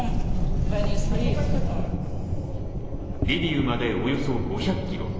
リビウまで、およそ５００ｋｍ。